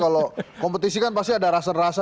kalau kompetisi kan pasti ada rasa rasa